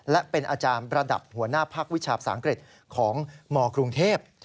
และเป็นอาจารย์ระดับหัวหน้าพักวิชาภาษาอังกฤษของมกรุงเทพ